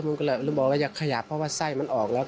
มันก็เลยบอกว่าอย่าขยับเพราะว่าไส้มันออกแล้ว